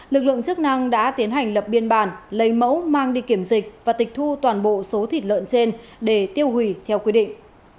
lực lượng chức năng đã tiến hành lập biên bản lấy mẫu mang đi kiểm dịch và tịch thu toàn bộ số thịt lợn trên để tiêu hủy theo quy định